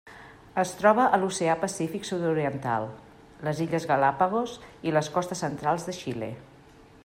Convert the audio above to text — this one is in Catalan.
Es troba a l'Oceà Pacífic sud-oriental: les Illes Galápagos i les costes centrals de Xile.